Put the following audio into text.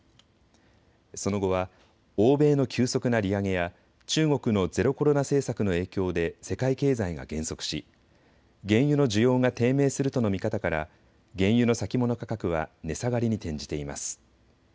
その後は欧米の急速な利上げや中国のゼロコロナ政策の影響で世界経済が減速し原油の需要が低迷するとの見方から原油の先物価格は値下がりに転じています。